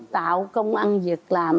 tạo công ăn việc làm